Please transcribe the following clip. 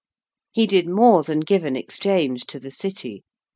_)] He did more than give an Exchange to the City.